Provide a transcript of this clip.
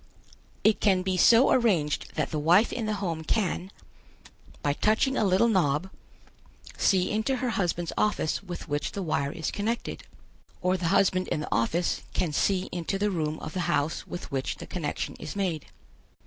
It can be so arranged that the wife in the home can, by touching a little knob, see into her husband's office with which the wire is connected, or the husband in the office can see into the room of the house with which the connection is made.